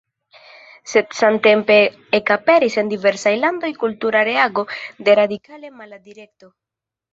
Sed samtempe ekaperis en diversaj landoj kultura reago de radikale mala direkto.